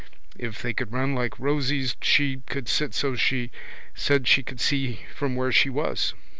If they could run like rossies she could sit so she said she could see from where she was.